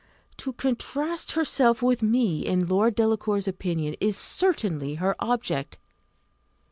To contrast herself with me in Lord Delacour's opinion is certainly her object.